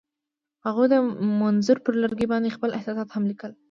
هغوی د منظر پر لرګي باندې خپل احساسات هم لیکل.